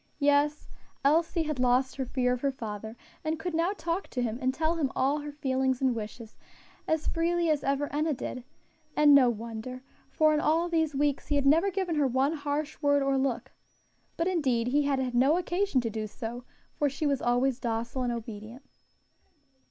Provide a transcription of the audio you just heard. Yes, Elsie had lost her fear of her father, and could now talk to him, and tell him her feelings and wishes, as freely as ever Enna did; and no wonder, for in all these weeks he had never given her one harsh word or look; but indeed he had had no occasion to do so, for she was always docile and obedient.